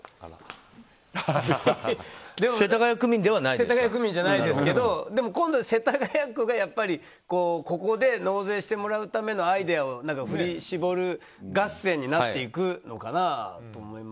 世田谷区民ではないですけどでも、今度は世田谷区がここで納税してもらうためのアイデアを振り絞る合戦になっていくのかなと思います。